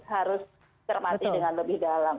harus cermati dengan lebih dalam